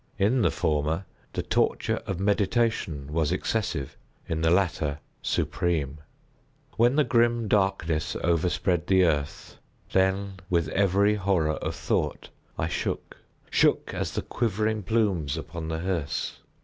In the former, the torture of meditation was excessive—in the latter, supreme. When the grim Darkness overspread the Earth, then, with every horror of thought, I shook—shook as the quivering plumes upon the hearse.